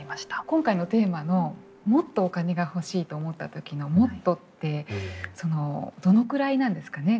今回のテーマのもっとお金が欲しいと思った時のもっとってそのどのくらいなんですかね。